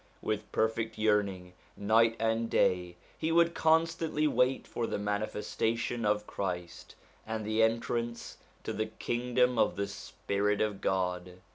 With perfect yearning, night and day, he would constantly wait for the manifestation of Christ, and the entrance to the Kingdom of the Spirit of God.